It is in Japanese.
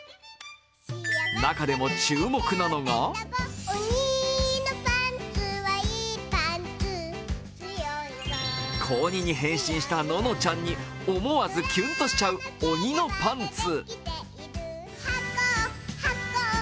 中でも注目なのが小鬼に変身したののちゃんに思わずキュンとしちゃう「おにのパンツ」。